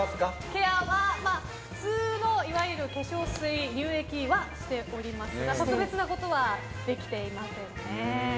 ケアは普通のいわゆる化粧水、乳液はしておりますが特別なことはできていませんね。